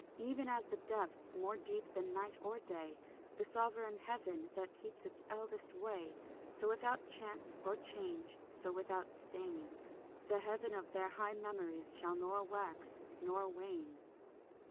Even as the depth more deep than night or day, The sovereign heaven that keeps its eldest way, So without chance or change, so without stain, The heaven of their high memories shall nor wax nor wane.